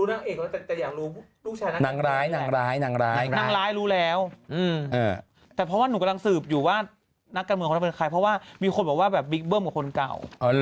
นางเอกแต่อยากรู้นางร้ายนางร้ายนางร้ายนางร้ายรู้แล้วแต่เพราะว่าหนูกำลังสืบอยู่ว่านักการเมืองคนนั้นเป็นใครเพราะว่ามีคนบอกว่าแบบบิ๊กเบิ้มกับคนเก่า